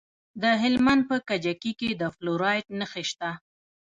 د هلمند په کجکي کې د فلورایټ نښې شته.